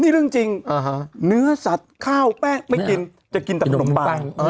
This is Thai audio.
นี่เรื่องจริงเนื้อสัตว์ข้าวแป้งไม่กินจะกินแต่ขนมปัง